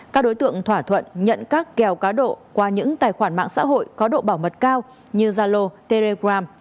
các đối tượng thỏa thuận nhận các kèo cá độ qua những tài khoản mạng xã hội có độ bảo mật cao như zalo telegram